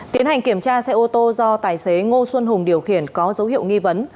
tiến hành kiểm tra xe ô tô do tài xế ngô xuân hùng điều khiển có dấu hiệu nghi vấn